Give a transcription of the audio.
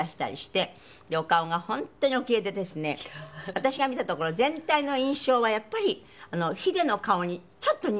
私が見たところ全体の印象はやっぱりヒデの顔にちょっと似てるの印象がね。